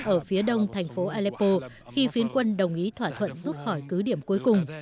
ở phía đông thành phố aleppo khi phiến quân đồng ý thỏa thuận rút khỏi cứ điểm cuối cùng